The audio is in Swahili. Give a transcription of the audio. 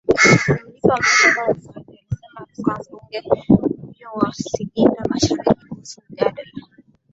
cha kumlipa msichana wa usafi alisema aliyekuwa mbunge huyo wa Singida MasharikiKuhusu mjadala